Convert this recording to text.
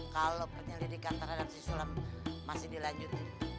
kalau penyelidikan terhadap si sulam masih dilanjut